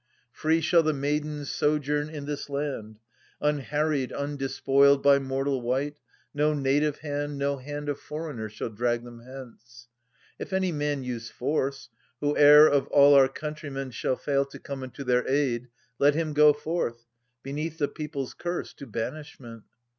Free shall the maidens sojourn in this land, Unharried^ undespoiled, by mortal wight : No native hand^ no hand of foreigner Shall drag them hence ; if any man use force — Whoe'er of all our countrymen shall fail To come unto their aid^ let him go forth, Beneath 4he people's curse, to banishment.